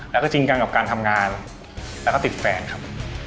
แล้วก็จริงกันกับการทำงานแล้วก็ติดแฟนครับ